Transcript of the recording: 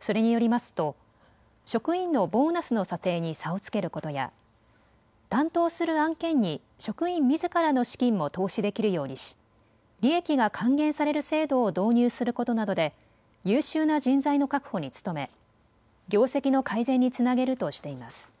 それによりますと職員のボーナスの査定に差をつけることや担当する案件に職員みずからの資金も投資できるようにし利益が還元される制度を導入することなどで優秀な人材の確保に努め業績の改善につなげるとしています。